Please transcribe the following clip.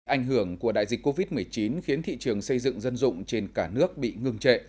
ảnh hưởng của đại dịch covid một mươi chín khiến thị trường xây dựng dân dụng trên cả nước bị ngừng trệ